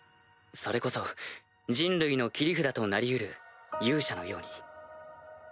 それこそ人類の切り札となり得る勇者のように。